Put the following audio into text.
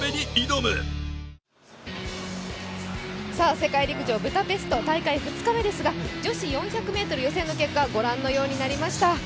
世界陸上ブダペスト大会２日目ですが女子４００ｍ予選の結果はご覧のようになりました。